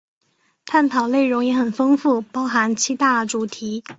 探讨内容也很丰富，包含七大主题